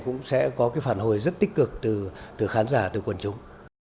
cũng sẽ có cái phản hồi rất tích cực từ khán giả từ quần chúng